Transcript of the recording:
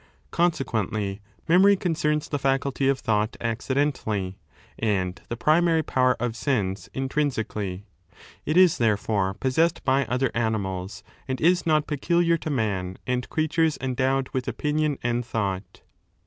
Consequently, memory concerns the faculty of thought accidentally and the primary power of sense intrinsically.* It is, therefore, possessed by other animals, and is not peculiar to man and creatures endowed with opinion 8 and thought.